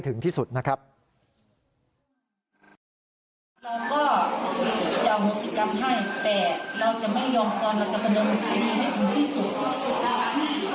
เพราะคนเดิมทุกคนก็ไม่ใส่เดิม